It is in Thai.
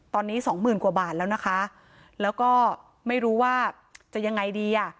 ตอนนี้สองหมื่นกว่าบาทแล้วนะคะแล้วก็ไม่รู้ว่าจะยังไงดีอ่ะ